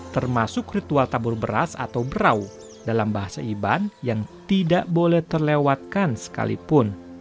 termasuk ritual tabur beras atau berau dalam bahasa iban yang tidak boleh terlewatkan sekalipun